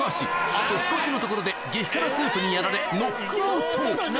あと少しのところで激辛スープにやられノックアウト